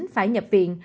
phải nhập viện